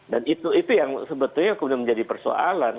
dan itu yang sebetulnya menjadi persoalan